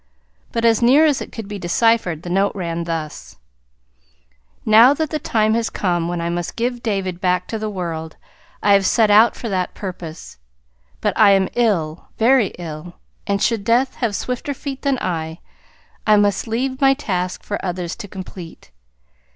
But as near as it could be deciphered, the note ran thus: Now that the time has come when I must give David back to the world, I have set out for that purpose. But I am ill very ill, and should Death have swifter feet than I, I must leave my task for others to complete.